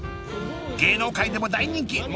芸能界でも大人気！